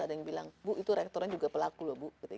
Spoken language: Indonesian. ada yang bilang bu itu rektornya juga pelaku loh bu